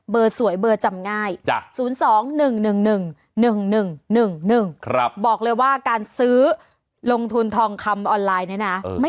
สวยเบอร์จำง่าย๐๒๑๑๑๑๑๑๑๑บอกเลยว่าการซื้อลงทุนทองคำออนไลน์เนี่ยนะ